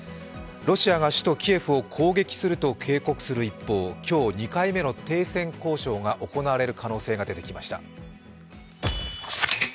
ロシアが首都キエフを攻撃すると警告する一方、今日、２回目の停戦交渉が行われる可能性が出てきました。